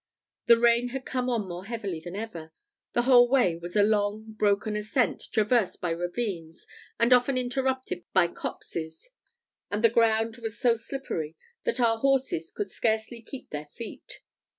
The rain had come on more heavily than ever; the whole way was a long, broken ascent, traversed by ravines, and often interrupted by copses; and the ground was so slippery, that our horses could scarcely keep their feet.